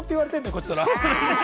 こちとら！